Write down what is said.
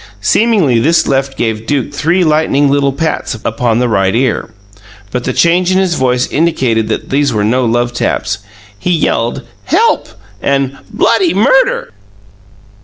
Seemingly this left gave Duke three lightning little pats upon the right ear; but the change in his voice indicated that these were no love taps. He yelled "help!" and "bloody murder!"